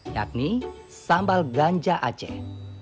yakni sambal ganja aceh